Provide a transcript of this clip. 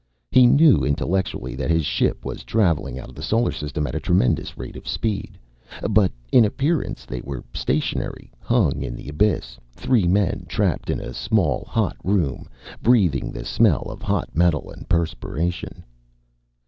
He knew intellectually that his ship was traveling out of the Solar System at a tremendous rate of speed. But in appearance they were stationary, hung in the abyss, three men trapped in a small, hot room, breathing the smell of hot metal and perspiration.